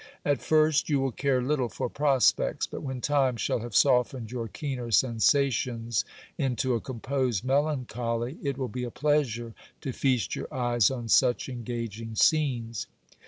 At first you will care little for prospects ; but when time shall have softened your keener sensations into a composed melancholy, it will be a pleasure to feast your eyes on such engaging scenes.